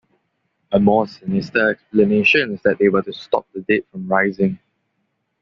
A more sinister explanation is that they were to stop the dead from rising.